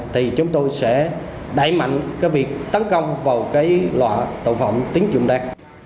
thì chúng tôi sẽ đẩy mạnh việc tấn công vào loại tội phạm tiến dụng đen